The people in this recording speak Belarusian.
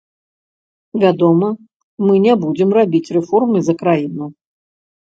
Вядома, мы не будзем рабіць рэформы за краіну.